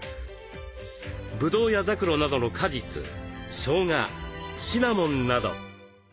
ぶどうやざくろなどの果実しょうがシナモンなど。